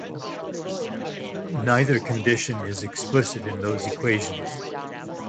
Neither condition is explicit in those equations.